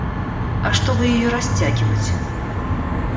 А чтобы её растягивать.